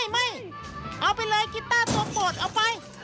ไม่เอาไปเลยกีต้าตัวโปรดเอาไป